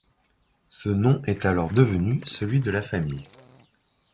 Ce nom est alors devenu celui de la famille.